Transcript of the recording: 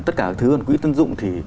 tất cả thứ quỹ tiến dụng thì